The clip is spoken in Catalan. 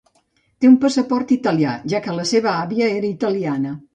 Té un passaport italià, ja que la seva àvia era italiana.